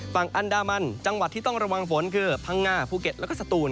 ฝั่งอันดามันจังหวัดที่ต้องระวังฝนคือพังงาภูเก็ตแล้วก็สตูน